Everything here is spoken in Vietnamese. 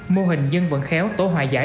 mô hình dân vận khéo tổ hòa giải